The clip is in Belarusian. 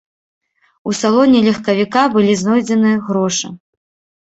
У салоне легкавіка былі знойдзены грошы.